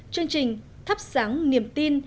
chương trình thắp sáng niềm tin